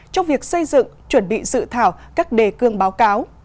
trong việc xây dựng chuẩn bị dự thảo các đề cương báo cáo